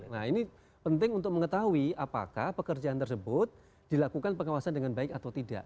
nah ini penting untuk mengetahui apakah pekerjaan tersebut dilakukan pengawasan dengan baik atau tidak